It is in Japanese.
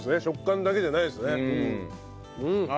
食感だけじゃないですね。